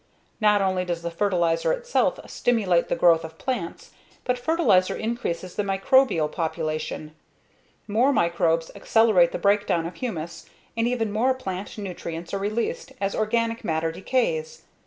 Not only does the fertilizer itself stimulate the growth of plants, but fertilizer increases the microbial population. More microbes accelerate the breakdown of humus and even more plant nutrients are released as organic matter decays.